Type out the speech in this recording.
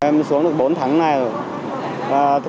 em xuống được bốn tháng ngày rồi